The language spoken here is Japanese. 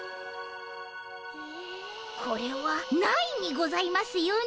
これはないにございますよね？